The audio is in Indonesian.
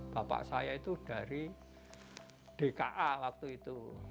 bapak saya itu dari dka waktu itu